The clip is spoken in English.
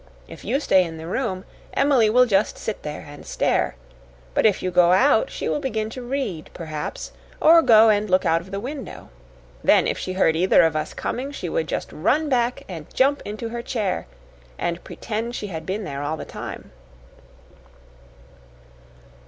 If you stay in the room, Emily will just sit there and stare; but if you go out, she will begin to read, perhaps, or go and look out of the window. Then if she heard either of us coming, she would just run back and jump into her chair and pretend she had been there all the time."